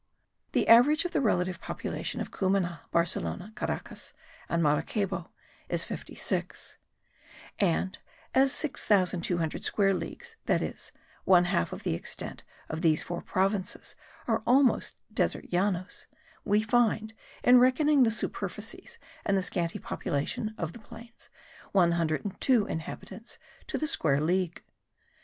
The average of the relative population of Cumana, Barcelona, Caracas and Maracaybo, is fifty six; and, as 6200 square leagues, that is, one half of the extent of these four provinces are almost desert Llanos, we find, in reckoning the superficies and the scanty population of the plains, 102 inhabitants to the square league.